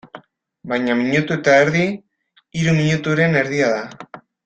Baina minutu eta erdi, hiru minuturen erdia da.